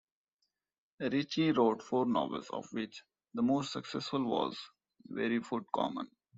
Ritchie wrote four novels, of which the most successful was "Wearyfoot Common".